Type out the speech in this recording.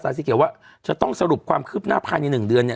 สีเขียวว่าจะต้องสรุปความคืบหน้าภายใน๑เดือนเนี่ย